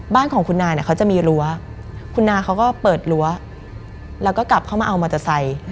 บ้านของคุณนาเนี่ยเขาจะมีรั้วคุณนาเขาก็เปิดรั้วแล้วก็กลับเข้ามาเอามอเตอร์ไซค์